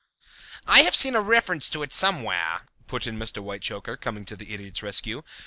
"I have seen a reference to it somewhere," put in Mr. Whitechoker, coming to the Idiot's rescue.